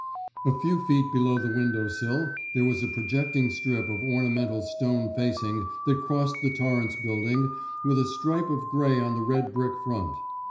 A few feet below the window sill there was a projecting strip of ornamental stone facing that crossed the Torrance Building with a stripe of gray on the red brick front.